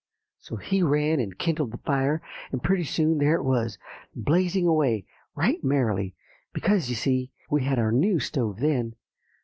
So he ran and kindled the fire; and pretty soon there it was blazing away, right merrily, because, you see, we had our new stove then.